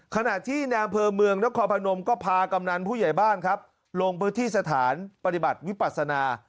ขณะที่ในอำเภอเมืองนครพนมก็พากำนันผู้ใหญ่บ้านครับลงพื้นที่สถานปฏิบัติวิปัสนา